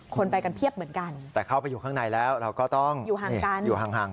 คนไปกันเพียบเหมือนกันแต่เข้าไปอยู่ข้างในแล้วเราก็ต้องอยู่ห่าง